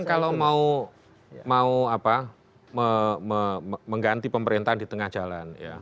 kalau mau mengganti pemerintahan di tengah jalan